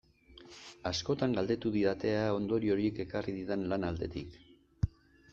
Askotan galdetu didate ea ondoriorik ekarri didan lan aldetik.